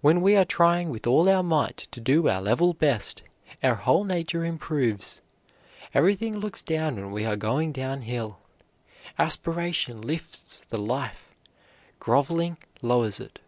When we are trying with all our might to do our level best, our whole nature improves. Everything looks down when we are going down hill. Aspiration lifts the life; groveling lowers it.